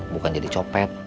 bukan jadi copet